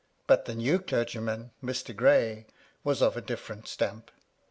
But the new clergyman, Mr. Gray, was of a different stamp.